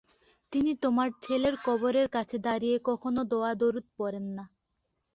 তিনি তোমার ছেলের কবরের কাছে দাঁড়িয়ে কখনো দোয়া-দরুদ পড়েন না।